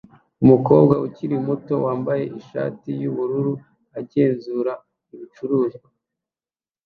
Umukobwa ukiri muto wambaye ishati yubururu agenzura ibicuruzwa